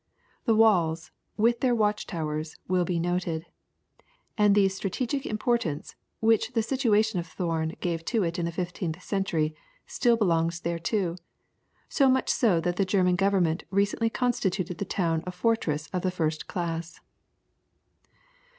The walls, with their watch towers, will be noted, and the strategic importance which the situation of Thorn gave to it in the fifteenth century still belongs thereto, so much so that the German Government recently constituted the town a fortress of the first class.